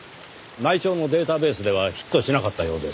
内調のデータベースではヒットしなかったようです。